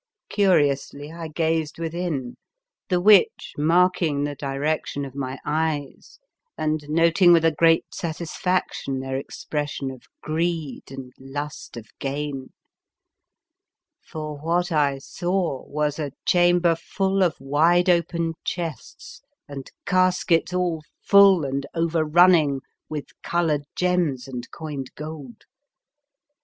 Curiously I gazed within, the witch marking the direction of my eyes, and noting with a great satisfac tion their expression of greed and lust of gain ; for what I saw was a chamber full of wide open chests, and caskets all full and over running with coloured gems and coined gold.